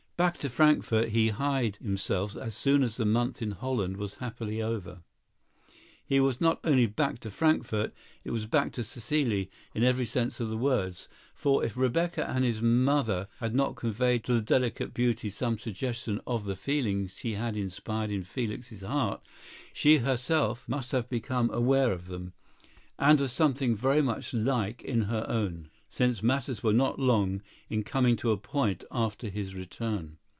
Back to Frankfort he hied himself as soon as the month in Holland was happily over. It was not only back to Frankfort, it was back to Cécile, in every sense of the words; for if Rebecca and his mother had not conveyed to the delicate beauty some suggestion of the feelings she had inspired in Felix's heart, she herself must have become aware of them, and of something very much like in her own, since matters were not long in coming to a point after his return.